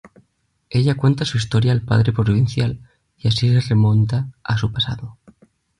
Ella cuenta su historia al Padre Provincial y así se remonta a su pasado.